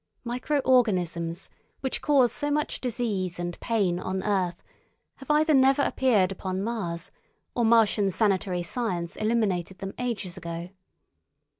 Micro organisms, which cause so much disease and pain on earth, have either never appeared upon Mars or Martian sanitary science eliminated them ages ago.